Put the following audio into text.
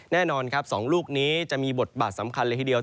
แน่นอนครับ๒ลูกนี้จะมีบทบาทสำคัญเลยทีเดียว